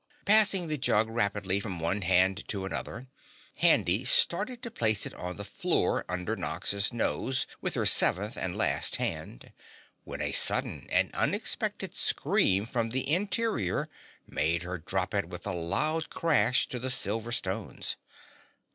Passing the jug rapidly from one hand to another, Handy started to place it on the floor under Nox's nose with her seventh and last hand, when a sudden and unexpected scream from the interior, made her drop it with a loud crash to the silver stones.